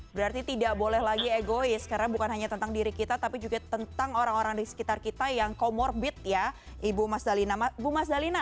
berarti tidak boleh lagi egois karena bukan hanya tentang diri kita tapi juga tentang orang orang di sekitar kita yang comorbid ya ibu mas dalina